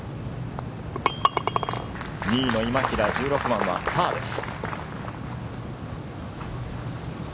２位の今平、１６番はパーです。